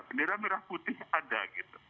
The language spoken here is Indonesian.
bendera merah putih ada gitu